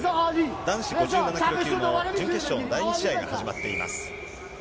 男子５７キロ級の準決勝の第２試合が始まっています。